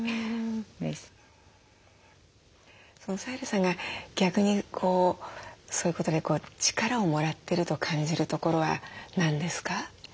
サヘルさんが逆にそういうことで力をもらってると感じるところは何ですか？